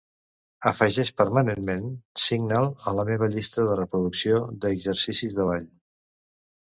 Afegeix Permanent Signal a la meva llista de reproducció d'exercicis de ball.